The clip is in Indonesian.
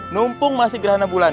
numpung masih gerhana bulan